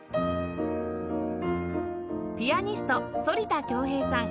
ピアニスト反田恭平さん